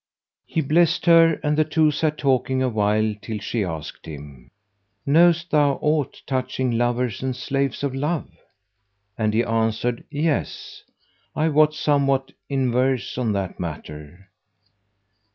He blessed her and the two sat talking awhile till she asked him, "Knowest thou aught touching lovers and slaves of love?"; and he answered "Yes! I wot somewhat in verse on that matter."